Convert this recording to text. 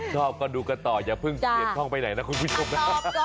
ชอบก็ดูกันต่ออย่าเพิ่งเปลี่ยนช่องไปไหนนะคุณผู้ชมนะ